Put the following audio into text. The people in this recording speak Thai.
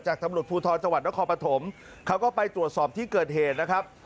ตำรวจภูทรจังหวัดนครปฐมเขาก็ไปตรวจสอบที่เกิดเหตุนะครับ